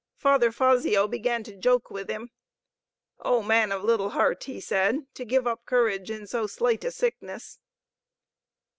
Father Fazio began to joke with him. "O man of little heart!" he said. "To give up courage in so slight a sickness!"